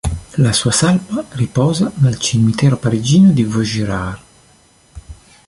La sua salma riposa nel cimitero parigino di Vaugirard.